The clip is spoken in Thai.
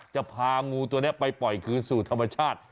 จะพางูตัวนี้ไปปล่อยคืนสู่ธรรมชาติ